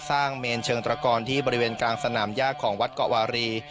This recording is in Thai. เมนเชิงตระกรที่บริเวณกลางสนามยากของวัดเกาะวารี